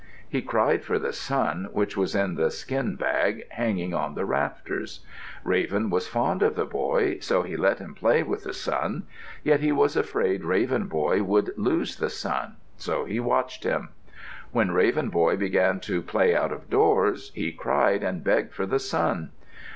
He cried for the sun which was in the skin bag, hanging on the rafters. Raven was fond of the boy so he let him play with the sun; yet he was afraid Raven Boy would lose the sun, so he watched him. When Raven Boy began to play out of doors, he cried and begged for the sun.